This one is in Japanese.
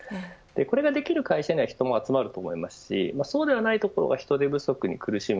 これができる会社には人が集まると思いますしそうではないところは人手不足に苦しむ。